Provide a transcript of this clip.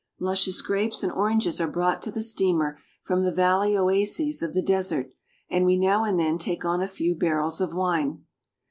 Luscious grapes and oranges are brought to the steamer from the valley oases of the desert, and we now and then take on a few barrels of wine.